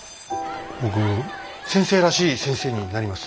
僕先生らしい先生になります。